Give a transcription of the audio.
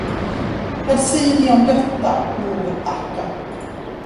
Vad säger ni om detta, mor Akka?